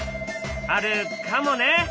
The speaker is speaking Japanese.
あるかもね！？